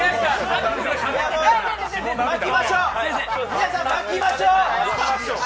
皆さん、巻きましょう！